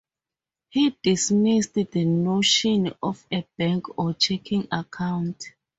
He dismissed the notion of a bank or checking account.